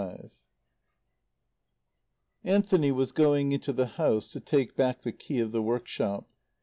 XXV Anthony was going into the house to take back the key of the workshop.